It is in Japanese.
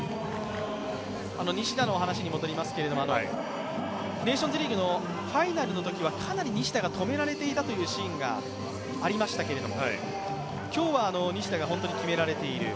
西田の話に戻りますけどネーションズリーグのファイナルのときはかなり西田が止められていたというシーンがありましたけれども、今日は西田が本当に決められている。